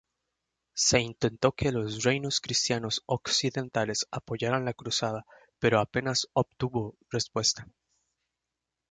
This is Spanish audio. Se intentó que los reinos cristianos occidentales apoyaran la cruzada pero apenas obtuvo respuesta.